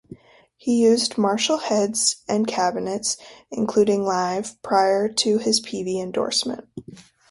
He used Marshall heads and cabinets, including live, prior to his Peavey endorsement.